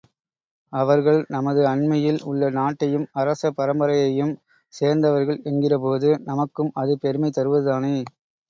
அவர்கள் நமது அண்மையில் உள்ள நாட்டையும் அரச பரம்பரையையும் சேர்ந்தவர்கள் என்கிறபோது நமக்கும் அது பெருமை தருவதுதானே.